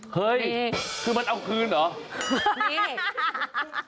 เฮ้ยคือมันเอาคืนเหรอ